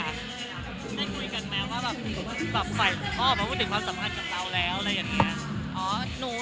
ได้คุยกันไหมว่าแบบแบบใส่ข้อมาพูดถึงความสำหรับกับเราแล้วอะไรอย่างเงี้ย